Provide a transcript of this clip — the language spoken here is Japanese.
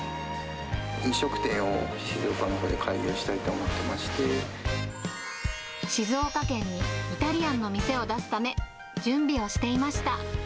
飲食店を静岡のほうで開業し静岡県にイタリアンの店を出すため、準備をしていました。